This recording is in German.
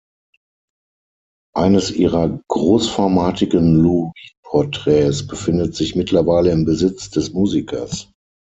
Eines ihrer großformatigen Lou-Reed-Porträts befindet sich mittlerweile im Besitz des Musikers.